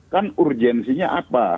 kan urgensinya apa